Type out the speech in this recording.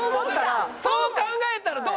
そう考えたらどう？